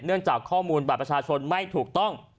จากข้อมูลบัตรประชาชนไม่ถูกต้อง